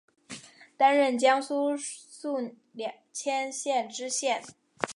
担任江苏宿迁县知县。